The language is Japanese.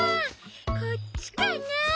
こっちかな？